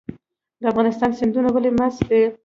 د افغانستان سیندونه ولې مست دي؟